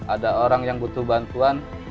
ada orang yang butuh bantuan